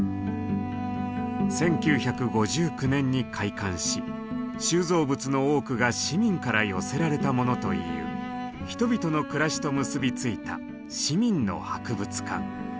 １９５９年に開館し収蔵物の多くが市民から寄せられたものという人々の暮らしと結び付いた市民の博物館。